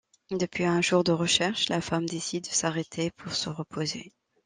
Depuis un jour de recherches, la femme décide de s’arrêter pour se reposer.